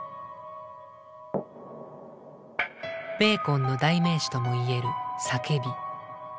ベーコンの代名詞とも言える叫び。